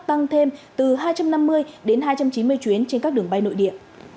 tăng thêm từ hai trăm năm mươi đến hai trăm chín mươi chuyến trên các đường bay nội địa